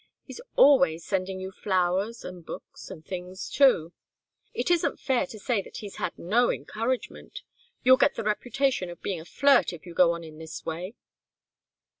He's always sending you flowers, and books, and things, too. It isn't fair to say that he's had no encouragement. You'll get the reputation of being a flirt if you go on in this way."